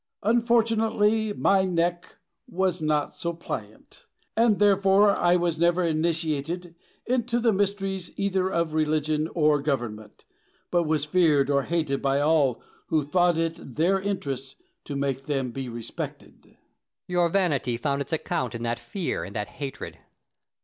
Unfortunately my neck was not so pliant, and therefore I was never initiated into the mysteries either of religion or government, but was feared or hated by all who thought it their interest to make them be respected. Plato. Your vanity found its account in that fear and that hatred.